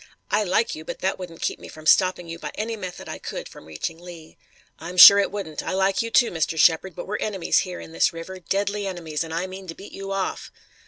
I like you, but that wouldn't keep me from stopping you by any method I could from reaching Lee." "I'm sure it wouldn't. I like you, too, Mr. Shepard, but we're enemies here in this river, deadly enemies, and I mean to beat you off."